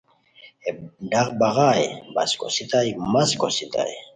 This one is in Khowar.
ہے ڈاق بغائے، بس کوسیتائے، مس کوسیتائے